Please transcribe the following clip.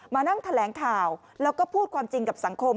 มานั่งแถลงข่าวแล้วก็พูดความจริงกับสังคม